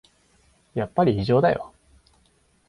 やっぱり異常だよ